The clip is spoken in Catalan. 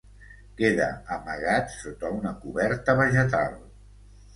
Queda amagat sota una coberta vegetal.